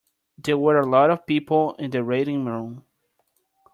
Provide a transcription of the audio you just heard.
There were a lot of people in the waiting room.